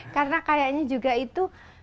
karena kayaknya juga itu